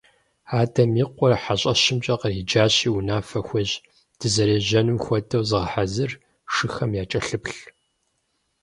Адэм и къуэр хьэщӀэщымкӀэ къриджащи унафэ хуещӀ: – Дызэрежьэнум хуэдэу зыгъэхьэзыр, шыхэм якӀэлъыплъ.